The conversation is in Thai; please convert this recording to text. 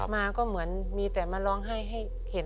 มาก็เหมือนมีแต่มาร้องไห้ให้เห็น